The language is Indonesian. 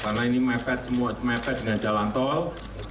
karena ini mepet semua mepet dengan jalan tol